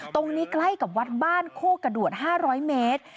ใกล้กับวัดบ้านโคกระดวด๕๐๐เมตร